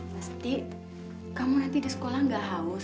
pasti kamu nanti di sekolah gak haus